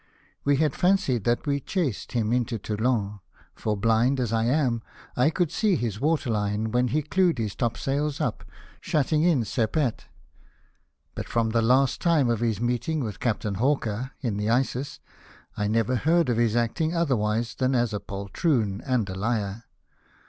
281 We had fancied that we chased him into Toulon ; for, blind as I am, I could see his water line, when he clued his topsails up, shutting in Sepet. But, from the time of his meeting Captain Hawker, in the Isis, I never heard of his acting otherwise than as a poltroon and a liar.